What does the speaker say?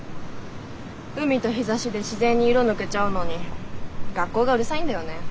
海と日ざしで自然に色抜けちゃうのに学校がうるさいんだよねぇ。